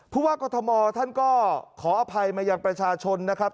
ผู้ว่ากรทมท่านก็ขออภัยมายังประชาชนนะครับ